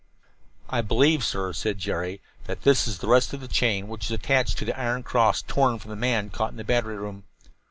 "I believe, sir," said Jerry, "that this is the rest of the chain which was attached to the iron cross torn from the man caught in the battery room."